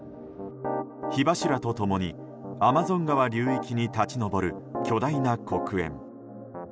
火柱と共にアマゾン川流域に立ち上る巨大な黒煙。